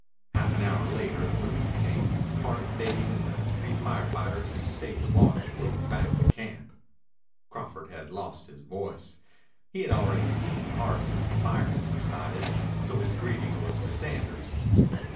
Half an hour later the relief came. Hart, Dave, and the three fire fighters who had stayed to watch rode back to camp. Crawford had lost his voice. He had already seen Hart since the fire had subsided, so his greeting was to Sanders.